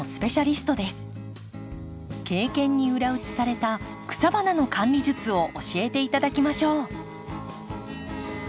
経験に裏打ちされた草花の管理術を教えて頂きましょう。